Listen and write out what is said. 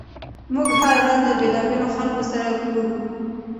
موږ هره ورځ له بېلابېلو خلکو سره ګورو.